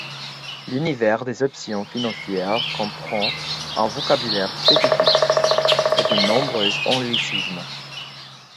L'univers des options financières comprend un vocabulaire spécifique, et de nombreux anglicismes.